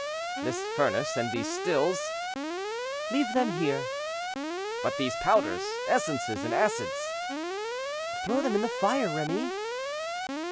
"This furnace, and these stills?" "Leave them here." "But these powders, essences, and acids?" "Throw them in the fire, Remy."